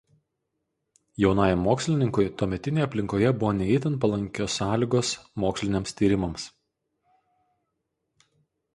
Jaunajam mokslininkui tuometinėje aplinkoje buvo ne itin palankios sąlygos moksliniams tyrimams.